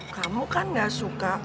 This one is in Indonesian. kamu kan gak suka